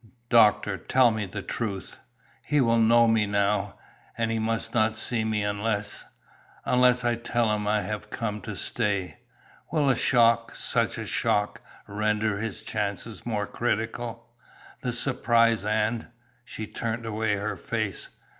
"Doctor, tell me the truth. He will know me now, and he must not see me unless unless I tell him I have come to stay. Will a shock, such a shock, render his chances more critical? The surprise and " She turned away her face.